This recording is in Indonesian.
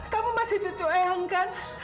kamu masih cucu ayam kan